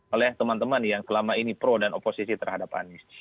oleh teman teman yang selama ini pro dan oposisi terhadap anies